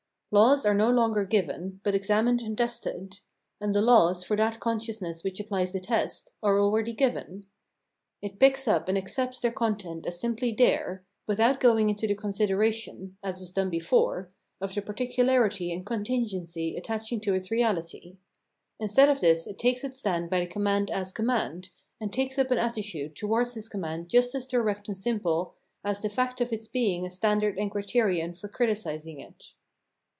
Laws are no longer given, but ex amined and tested ; and the laws, for that conscious ness which apphes the test, are already given. It picks up and accepts their content as simply there, without going into the consideration (as was done before) of the particularity and contingency attaching to its reality ; instead of this it takes its stand by the command as command, and takes up an attitude to wards this command just as direct and simple as [the fact of] its being a standard and criterion for criticiz ing it.